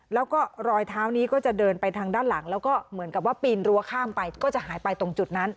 แล้วก็รอยเท้านี้ก็จะเดินไปทางด้านหลังแล้วก็เหมือนกับว่าปีนรั้วข้ามไปก็จะหายไปตรงจุดนั้น